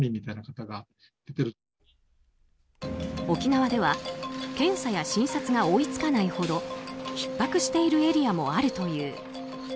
沖縄では検査や診察が追い付かないほどひっ迫しているエリアもあるという。